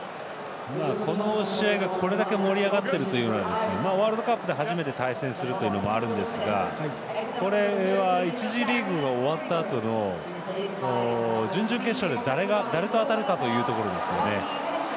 この試合がこれだけ盛り上がってるというのはワールドカップで初めて対戦するというのもあるんですが１次リーグが終わったあとの準々決勝で誰と当たるかというところですよね。